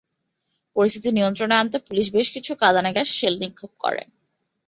পরিস্থিতি নিয়ন্ত্রণে আনতে পুলিশ বেশ কিছু কাঁদানে গ্যাসের শেল নিক্ষেপ করে।